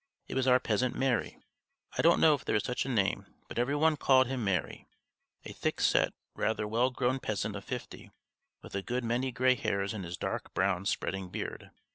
It was our peasant Marey. I don't know if there is such a name, but every one called him Marey a thick set, rather well grown peasant of fifty, with a good many grey hairs in his dark brown, spreading beard.